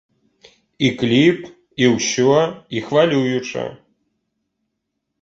І кліп, і ўсё, і хвалююча.